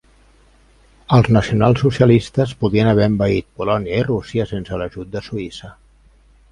Els nacionalsocialistes podien haver envaït Polònia i Rússia sense l'ajut de Suïssa.